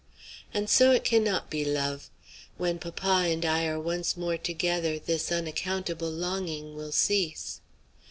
And so it cannot be love. When papa and I are once more together, this unaccountable longing will cease."